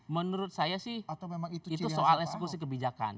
menurut saya sih itu soal eksekusi kebijakan